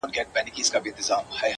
ماته خو اوس هم گران دى اوس يې هم يادوم~